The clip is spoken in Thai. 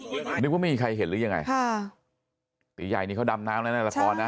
นึกว่าไม่มีใครเห็นหรือยังไงค่ะตีใหญ่นี่เขาดำน้ำแล้วในละครนะ